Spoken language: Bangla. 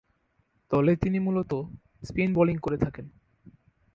দলে তিনি মূলতঃ স্পিন বোলিং করে থাকেন।